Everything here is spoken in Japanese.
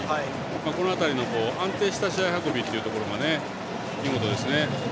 この辺りの安定した試合運びっていうところが見事ですね。